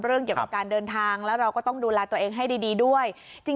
เรื่องเกี่ยวกับการเดินทางแล้วเราก็ต้องดูแลตัวเองให้ดีด้วย